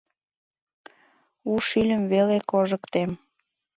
У шӱльым веле кожыктем.